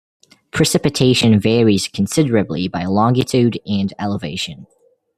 Precipitation varies considerably by longitude and elevation.